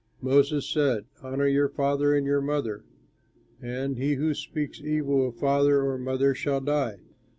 "Moses said, 'Honor your father and your mother,' and, 'He who speaks evil of father or mother shall die.'